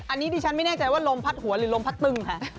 อันนี้ดิฉันไม่แน่ใจว่าลมพัดหัวหรือลมพัดตึงค่ะ